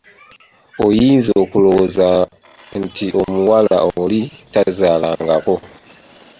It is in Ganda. Oyinza okulowooza nti omuwala oli tazaalangako.